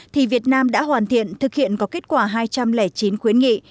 thì việt nam đã hoàn thiện thực hiện có kết quả hai trăm linh chín khuyến nghị